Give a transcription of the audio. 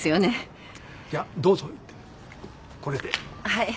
はい。